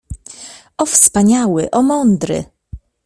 — O, wspaniały, o, mądry!